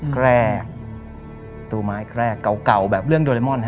แกรกประตูไม้แกรกเก่าแบบเรื่องโดเรมอนฮะ